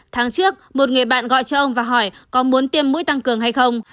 tháng trước một người bạn gọi cho ông và hỏi có muốn tiêm mũi tăng cường hay không